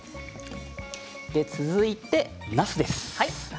続いてなすです。